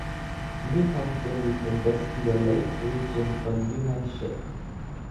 New Hampton liegt im Westen der Lakes Region von New Hampshire.